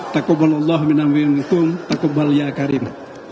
takubalullah minamu in hukum takubal ya karim